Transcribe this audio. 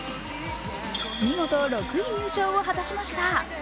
見事６位入賞を果たしました。